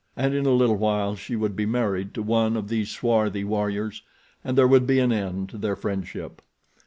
And in a little while she would be married to one of these swarthy warriors, and there would be an end to their friendship.